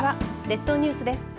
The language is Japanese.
列島ニュースです。